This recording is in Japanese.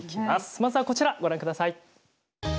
まずはこちらご覧ください。